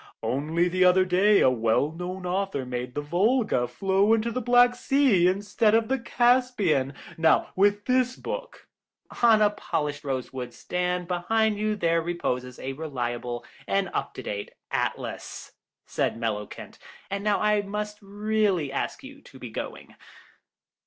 Only the other day a well known author made the Volga flow into the Black Sea instead of the Caspian; now, with this book—" "On a polished rose wood stand behind you there reposes a reliable and up to date atlas," said Mellowkent; "and now I must really ask you to be going."